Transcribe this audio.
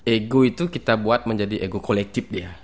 ego itu kita buat menjadi ego kolektif dia